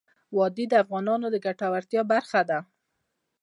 وادي د افغانانو د ګټورتیا برخه ده.